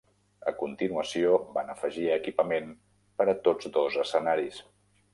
A continuació, van afegir equipament per a tots dos escenaris.